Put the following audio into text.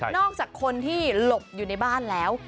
จากคนที่หลบอยู่ในบ้านแล้ว